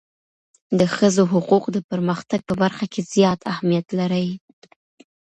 د ښځو حقوق د پرمختګ په برخه کي زیات اهمیت لري.